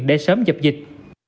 để sớm dập dịch